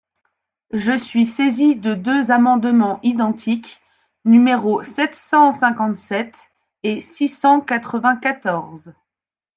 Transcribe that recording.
Je suis saisi de deux amendements identiques, numéros sept cent cinquante-sept et six cent quatre-vingt-quatorze.